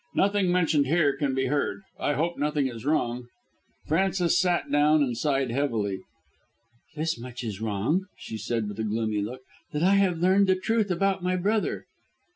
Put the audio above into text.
"Nothing mentioned here can be heard. I hope nothing is wrong." Frances sat down and sighed heavily. "This much is wrong," she said with a gloomy look, "that I have learned the truth about my brother."